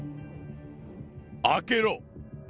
開けろ。